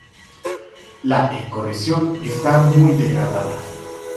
La ecorregión está muy degradada.